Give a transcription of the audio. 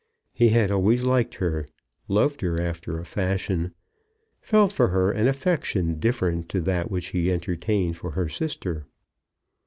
He had always liked her, loved her after a fashion, felt for her an affection different to that which he entertained for her sister.